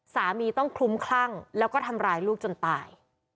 สามีต้องคลุ้มคลั่งแล้วก็ทำร้ายลูกจนตาย